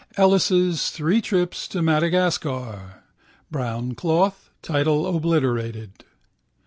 Ellis's Three Trips to Madagascar (brown cloth, title obliterated).